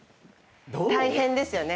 大変ですよね。